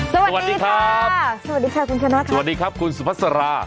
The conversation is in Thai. สวัสดีครับสวัสดีค่ะคุณชนะค่ะสวัสดีครับคุณสุพัสรา